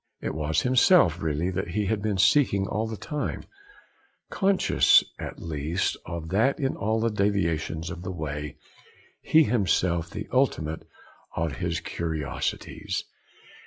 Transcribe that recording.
It was himself, really, that he had been seeking all the time, conscious at least of that in all the deviations of the way; himself, the ultimate of his curiosities.